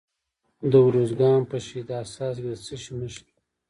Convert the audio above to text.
د ارزګان په شهید حساس کې د څه شي نښې دي؟